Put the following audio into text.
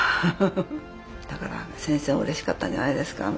だから先生もうれしかったんじゃないですか。